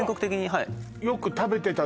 はい